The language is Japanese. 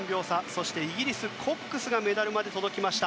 そして、イギリスのコックスがメダルまで届きました。